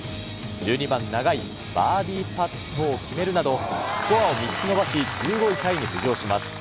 １２番、長いバーディーパットを決めるなど、スコアを３つ伸ばし、１５位タイに浮上します。